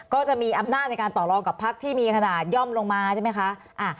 ก็จะมีอำนาจในการต่อรองกับพักที่มีขนาดย่อมลงมาใช่ไหมคะ